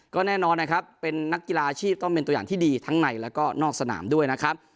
ก็แน่นอนนะครับเป็นนักกีฬาอาชีพต้องเป็นตัวอย่างที่ดีทั้งในแล้วก็นอกสนามด้วยนะครับ